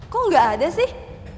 kok gak ada sih